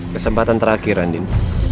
kesempatan terakhir andin